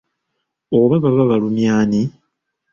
Oba baba balumya ani?